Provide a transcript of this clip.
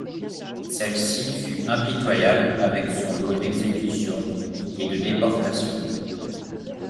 Celle-ci fut impitoyable avec son lot d’exécutions et de déportations.